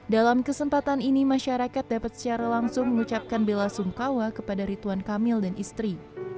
dalam kesempatan ini masyarakat dapat secara langsung mengucapkan bela sungkawa kepada rituan kamil dan istri